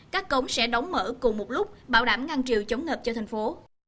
các cổng sẽ đóng mở cùng một lúc bảo đảm ngăn triều chống ngợp cho thành phố